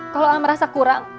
kalo alam rasa kurang